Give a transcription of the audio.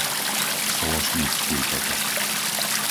Sološnický potok